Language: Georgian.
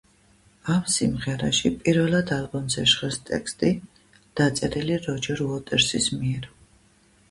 ამ სიმღერაში, პირველად ალბომზე ჟღერს ტექსტი, დაწერილი როჯერ უოტერსის მიერ.